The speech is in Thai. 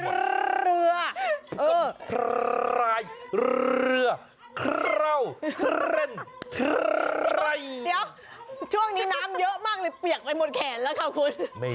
เขาให้ก้าวออกบนน้ำเขาให้พายเรือไง